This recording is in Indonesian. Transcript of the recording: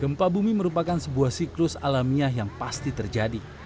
gempa bumi merupakan sebuah siklus alamiah yang pasti terjadi